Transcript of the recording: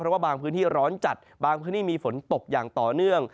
เพราะว่าบางพื้นที่ร้อนจัดบางพื้นที่มีฝนตกอย่างต่อเนื่อง